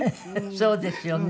そうですよね。